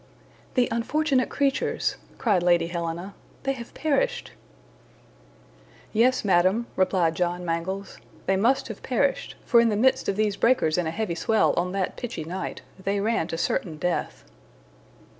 "The unfortunate creatures," cried Lady Helena, "they have perished!" "Yes, Madam," replied John Mangles, "they must have perished, for in the midst of these breakers in a heavy swell on that pitchy night, they ran to certain death."